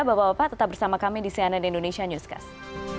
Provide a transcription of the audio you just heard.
bapak bapak tetap bersama kami di cnn indonesia newscast